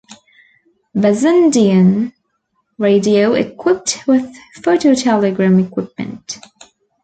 Bassendean Radio equipped with phototelegram equipment.